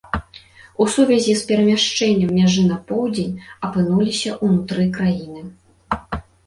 У сувязі з перамяшчэннем мяжы на поўдзень апынуліся унутры краіны.